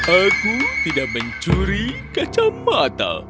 aku tidak mencuri kacamata